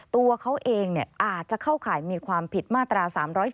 ตัวเขาเองอาจจะเข้าข่ายมีความผิดมาตรา๓๔